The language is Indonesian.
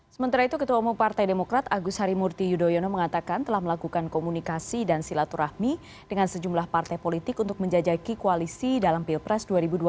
sementara itu ketua umum partai demokrat agus harimurti yudhoyono mengatakan telah melakukan komunikasi dan silaturahmi dengan sejumlah partai politik untuk menjajaki koalisi dalam pilpres dua ribu dua puluh